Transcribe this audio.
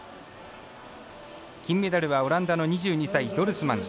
金メダルはオランダの２２歳ドルスマン。